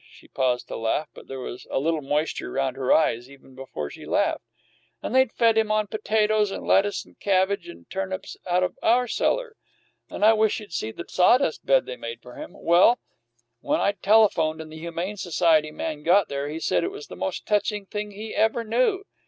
She paused to laugh, but there was a little moisture round her eyes, even before she laughed. "And they'd fed him on potatoes and lettuce and cabbage and turnips out of our cellar! And I wish you'd see the sawdust bed they made for him! Well, when I'd telephoned, and the Humane Society man got there, he said it was the most touching thing he ever knew.